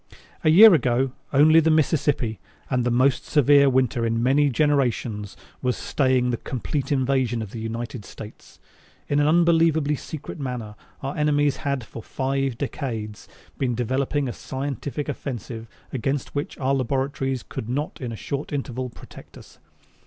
A year ago only the Mississippi and the most severe winter in many generations was staying the complete invasion of the United States. In an unbelievably secret manner our enemies had for five decades been developing a scientific offensive against which our laboratories could not in a short interval protect us.